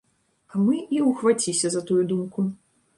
А мы і ўхваціся за тую думку.